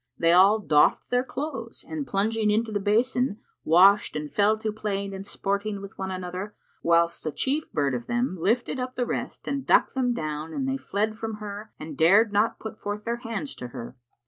They all doffed their clothes and plunging into the basin, washed and fell to playing and sporting one with other; whilst the chief bird of them lifted up the rest and ducked them down and they fled from her and dared not put forth their hands to her.